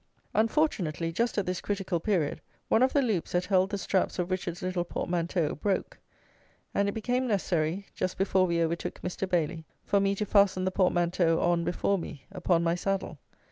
Unfortunately, just at this critical period, one of the loops that held the straps of Richard's little portmanteau broke; and it became necessary (just before we overtook Mr. Bailey) for me to fasten the portmanteau on before me, upon my saddle.